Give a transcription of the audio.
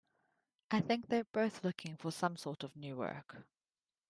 I think they're both looking for some sort of new work.